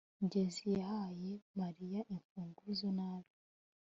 ngenzi yahaye mariya imfunguzo nabi